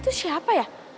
itu siapa ya